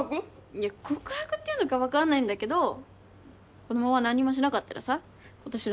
いや告白っていうのか分かんないんだけどこのまま何にもしなかったらさ今年の夏もいつもと一緒じゃん。